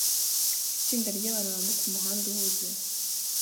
Itsinda ryabantu bambuka umuhanda uhuze